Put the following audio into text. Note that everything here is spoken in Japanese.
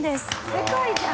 世界じゃん！